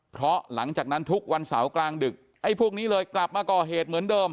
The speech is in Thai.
เพราะหลังจากนั้นทุกวันเสาร์กลางดึกไอ้พวกนี้เลยกลับมาก่อเหตุเหมือนเดิม